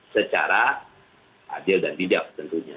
secara adil dan tidak tentunya